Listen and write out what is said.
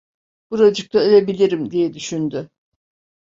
"Buracıkta ölebilirim!" diye düşündü.